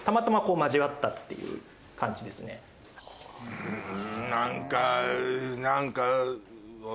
ふん何か何か。